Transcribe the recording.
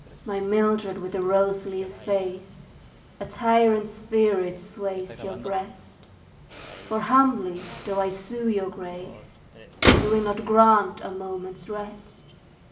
My Mildred with the rose leaf face, A tyrant spirit sways your breast, For humbly though I sue your grace, You will not grant a moment's rest.